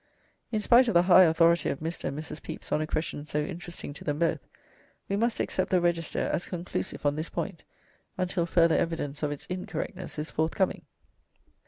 In spite of the high authority of Mr. and Mrs. Pepys on a question so interesting to them both, we must accept the register as conclusive on this point until further evidence of its incorrectness is forthcoming.